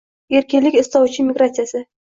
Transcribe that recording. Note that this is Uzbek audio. «erkinlik istovchilar migratsiyasi»